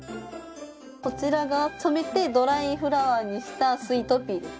こちらが染めてドライフラワーにしたスイートピーです。